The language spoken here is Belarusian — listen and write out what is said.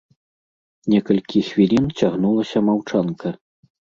Некалькі хвілін цягнулася маўчанка.